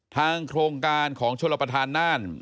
โครงการของชลประธานน่าน